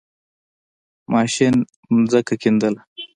ماشین زَمکه کیندله.